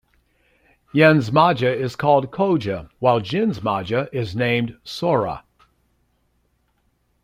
Yen's Maga is called Koga, while Jin's maga is named Sora.